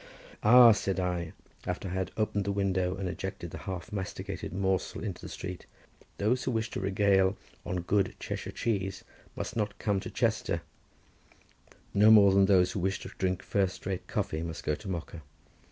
"Ah," said I, after I had opened the window and ejected the half masticated morsel into the street; "those who wish to regale on good Cheshire cheese must not come to Chester, no more than those who wish to drink first rate coffee must go to Mocha.